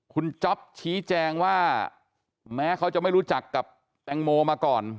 คุณจ๊อปชี้แจงว่าแม้เขาจะไม่รู้จักกับแตงโมมาก่อน